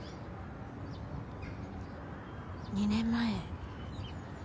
２年前。